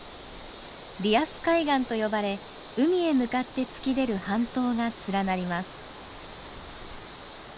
リアス海岸と呼ばれ海へ向かって突き出る半島が連なります。